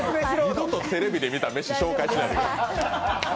二度とテレビで見たメシ、紹介しないでください。